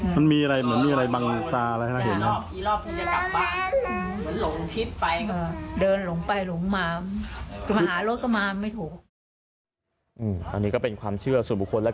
เดินวนไปวนมาเป็นมืดเดินกลับไปเดินกลับมาแต่เดินไม่ไหว